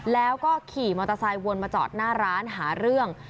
แล้วก็ขี่มอเตอร์ไซค์วนมาจอดหน้าร้านหาเรื่อง